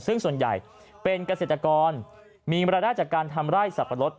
ซึ่งส่วนใหญ่เป็นเกษตรกรมีบรรดาจากการทำไล่สัตว์ประลด